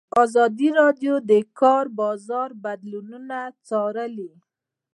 ازادي راډیو د د کار بازار بدلونونه څارلي.